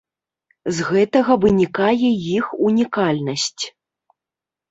З гэтага вынікае іх унікальнасць.